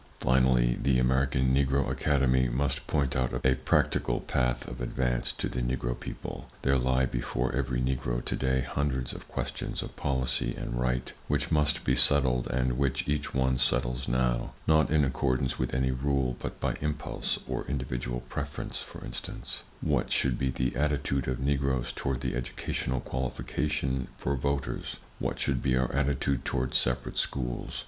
Finally, the American Negro Academy must point out a practical path of advance to the Negro people; there lie before every Negro today hundreds of questions of policy and right which[Pg 14] must be settled and which each one settles now, not in accordance with any rule, but by impulse or individual preference; for instance: What should be the attitude of Negroes toward the educational qualification for voters? What should be our attitude toward separate schools?